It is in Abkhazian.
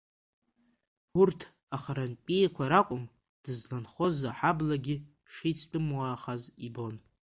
Урҭ ахарантәиқәа ракәым, дызланхоз аҳаблагьы шицәтәымуаахаз ибон.